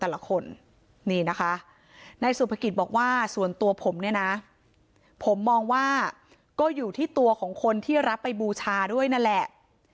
นี่นะคะนายสุภกิจบอกว่าส่วนตัวผมเนี่ยนะผมมองว่าก็อยู่ที่ตัวของคนที่รับไปบูชาด้วยนั่นแหละ